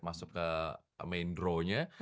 masuk ke main draw nya